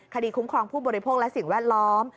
คุ้มครองผู้บริโภคและสิ่งแวดล้อม